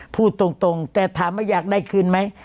พูดตรงแต่ถามว่าอยากได้คืนไหม